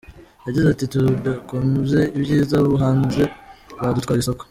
Yagize ati “Tudakoze ibyiza abo hanze badutwara isoko.